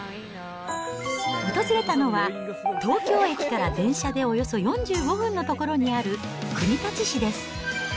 訪れたのは、東京駅から電車でおよそ４５分の所にある国立市です。